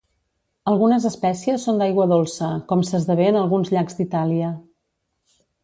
Algunes espècies són d'aigua dolça com s'esdevé en alguns llacs d'Itàlia.